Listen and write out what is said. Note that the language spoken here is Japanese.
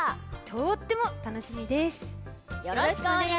とってもたのしみです。